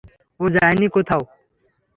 ও যায়নি কোথাও।